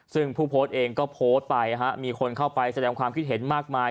ซึ่งผู้โพสต์เองก็โพสต์ไปมีคนเข้าไปแสดงความคิดเห็นมากมาย